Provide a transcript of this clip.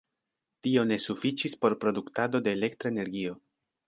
Tio ne sufiĉis por produktado de elektra energio.